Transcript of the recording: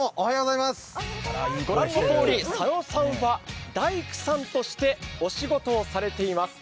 御覧のとおり、佐野さんは大工さんとしてお仕事をされています。